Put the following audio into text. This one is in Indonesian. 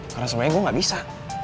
karena sebenernya gue gabisa